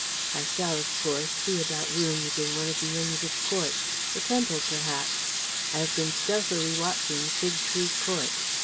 I shall, of course, see about rooms in one of the Inns of Court the Temple perhaps. I have been stealthily watching Fig Tree Court.